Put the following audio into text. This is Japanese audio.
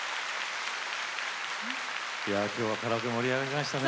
いや今日はカラオケ盛り上がりましたね。